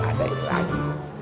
ada itu lagi